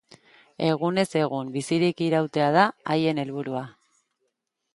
Egunez egun bizirik irautea da haien helburua.